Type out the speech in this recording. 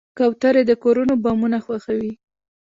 کوترې د کورونو بامونه خوښوي.